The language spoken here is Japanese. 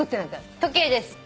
時計です。